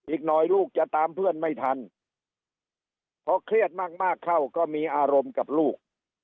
อีกหน่อยลูกจะตามเพื่อนไม่ทันพอเครียดมากเข้าก็มีอารมณ์กับลูก